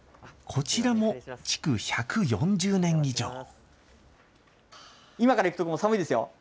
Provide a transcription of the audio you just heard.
こちらも築１４０年以上。